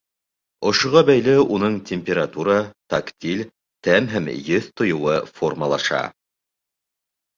Ошоға бәйле, уның температура, тактиль, тәм һәм еҫ тойоуы формалаша.